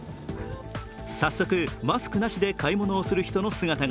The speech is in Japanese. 早速、マスクなしで買い物をする人の姿が。